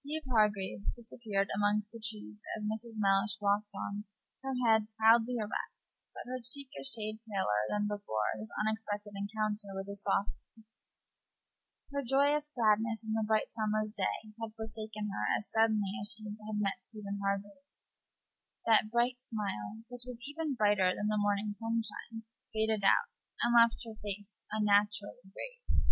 Steeve Hargraves disappeared among the trees as Mrs. Mellish walked on, her head proudly erect, but her cheek a shade paler than before this unexpected encounter with the softy. Her joyous gladness in the bright summer's day had forsaken her as suddenly as she had met Stephen Hargraves; that bright smile, which was even brighter than the morning sunshine, faded out, and left her face unnaturally grave.